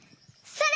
それ！